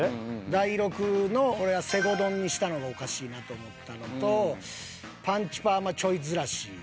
大六の俺は西郷どんにしたのがおかしいなと思ったのと「パンチパーマ」ちょいずらし。